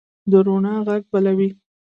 د روڼا ږغ بلوي